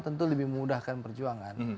tentu lebih memudahkan perjuangan